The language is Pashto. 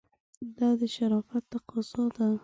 دا د شرافت تقاضا ده.